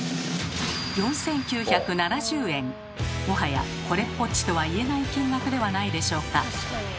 もはやこれっぽっちとは言えない金額ではないでしょうか。